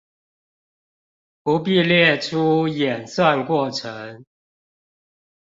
不必列出演算過程